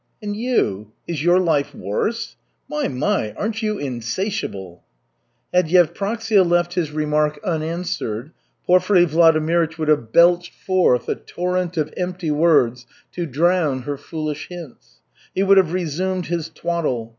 "And you, is your life worse? My, my, aren't you insatiable!" Had Yevpraksia left his remark unanswered, Porfiry Vladimirych would have belched forth a torrent of empty words to drown her foolish hints. He would have resumed his twaddle.